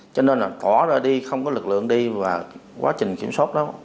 cho nên là cỏ ra đi không có lực lượng đi và quá trình kiểm soát đó